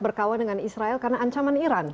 berkawan dengan israel karena ancaman iran